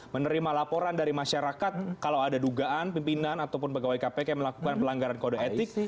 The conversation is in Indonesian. menerima laporan dari masyarakat kalau ada dugaan pimpinan ataupun pegawai kpk yang melakukan pelanggaran kode etik